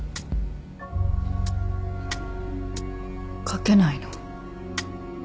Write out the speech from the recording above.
書けないの。